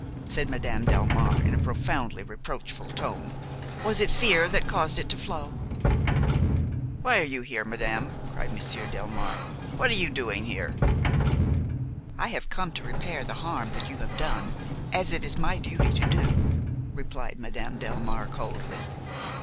said Madame Delmare in a profoundly reproachful tone, "was it fear that caused it to flow?" "Why are you here, madame?" cried Monsieur Delmare, "what are you doing here?" "I have come to repair the harm that you have done, as it is my duty to do," replied Madame Delmare coldly.